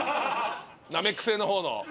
ナメック星の方の。